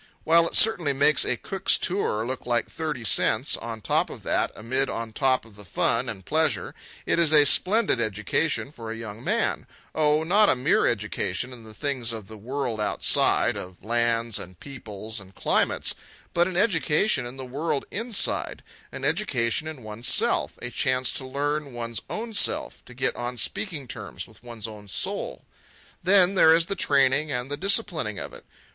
While it certainly makes a Cook's tour look like thirty cents, on top of that, amid on top of the fun and pleasure, it is a splendid education for a young man—oh, not a mere education in the things of the world outside, of lands, and peoples, and climates, but an education in the world inside, an education in one's self, a chance to learn one's own self, to get on speaking terms with one's soul. Then there is the training and the disciplining of it.